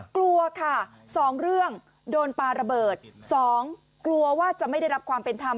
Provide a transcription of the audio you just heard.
กลัวค่ะสองเรื่องโดนปลาระเบิด๒กลัวว่าจะไม่ได้รับความเป็นธรรม